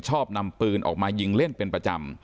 ชอบนำปืนออกมายิงเล่นเป็นประจำ